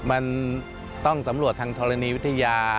มันต้องสำรวจทางธรณีวิทยา